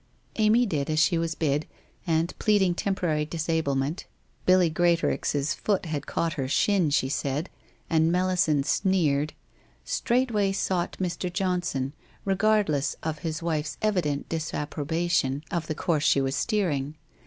Amy did as she was bid and pleading temporary disable^ men t — Billy Greatorex's foot had caught her shin, she said, and Melisande sneered — straightway sought Mr. Johnson, regardless of his wife's evident disapprobation of the course she was steering.